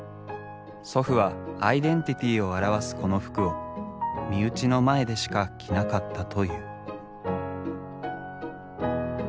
祖父はアイデンティティーを表すこの服を身内の前でしか着なかったという。